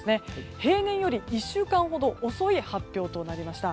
平年より１週間ほど遅い発表となりました。